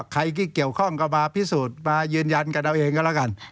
ใครที่เกี่ยวข้องก็มาพิสูจน์มายืนยันกันเอาเองก็แล้วกัน